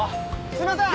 すみません！